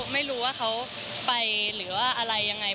ไม่รู้ว่าเขาไปหรือว่าอะไรยังไง